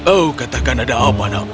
oh katakan ada apa namanya